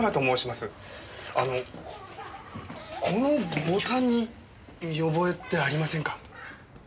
あのこのボタンに見覚えってありませんか？